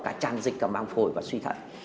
cả tràn dịch cả mang phổi và suy thận